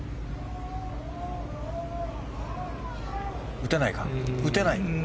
打てないか、打てない。